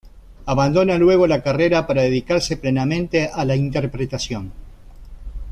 Abandona luego la carrera para dedicarse plenamente a la interpretación.